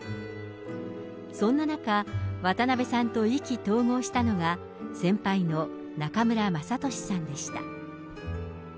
そんな中、渡辺さんと意気投合したのが、先輩の中村雅俊さんでした。